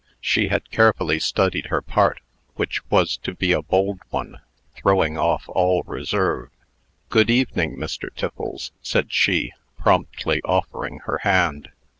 She had carefully studied her part, which was to be a bold one, throwing off all reserve. "Good evening, Mr. Tiffles," said she, promptly offering her hand.